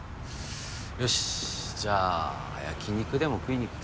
よしじゃあ焼き肉でも食いに行くか。